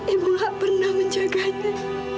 ibu gak pernah menjaganya